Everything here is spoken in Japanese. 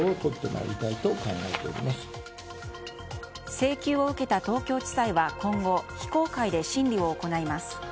請求を受けた東京地裁は今後非公開で審理を行います。